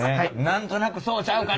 何となくそうちゃうかな？